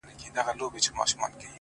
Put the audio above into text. هغه زما خبري پټي ساتي ـ